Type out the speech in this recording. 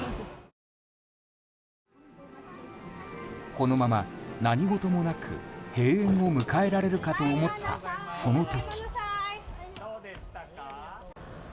このまま何事もなく閉園を迎えられるかと思ったその時。